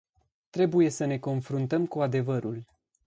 Trebuie să ne confruntăm cu adevărul.